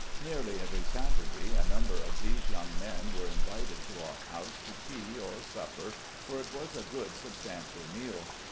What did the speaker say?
Nearly every Saturday a number of these young men were invited to our house to tea, or supper, for it was a good, substantial meal.